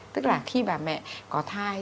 tức là khi bà mẹ có thai